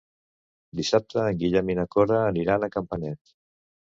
Dissabte en Guillem i na Cora aniran a Campanet.